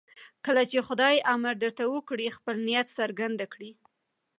کله چې خدای امر درته وکړي خپل نیت څرګند کړئ.